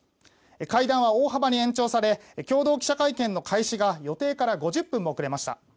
会談は大幅に延長され共同記者会見の開始が予定から５０分も遅れました。